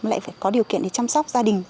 lại có điều kiện để chăm sóc gia đình